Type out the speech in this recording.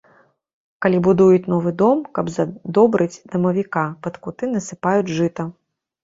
Калі будуюць новы дом, каб задобрыць дамавіка, пад куты насыпаюць жыта.